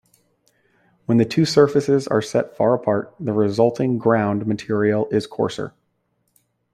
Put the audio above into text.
When the two surfaces are set far apart, the resulting ground material is coarser.